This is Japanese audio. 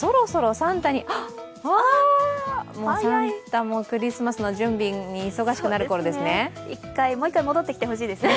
サンタもクリスマスの準備に忙しくなるころですね。